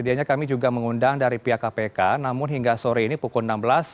sedianya kami juga mengundang dari pihak kpk namun hingga sore ini pukul enam belas